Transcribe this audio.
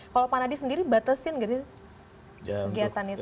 kalau panadi sendiri batasin gak sih kegiatan itu